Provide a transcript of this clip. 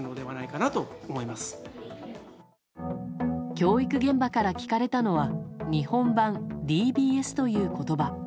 教育現場から聞かれたのは日本版ＤＢＳという言葉。